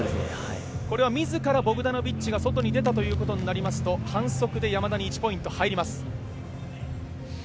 これは自らボクダノビッチが外に出たとなりますと反則で山田に１ポイント入ります。